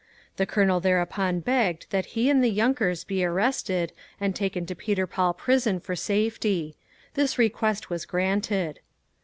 _ The Colonel thereupon begged that he and the yunkers be arrested and taken to Peter Paul prison for safety. This request was granted.